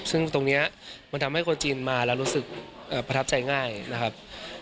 ซึ่งตรงนี้มันทำให้คนจีนมาแล้วรู้สึกประทับใจง่ายนะครับ